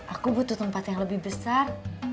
aku butuh tempat yang lebih besar